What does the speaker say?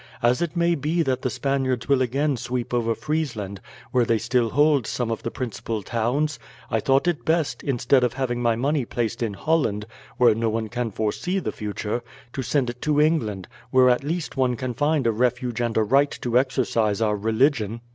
As it may be that the Spaniards will again sweep over Friesland, where they still hold some of the principal towns, I thought it best, instead of having my money placed in Holland, where no one can foresee the future, to send it to England, where at least one can find a refuge and a right to exercise our religion."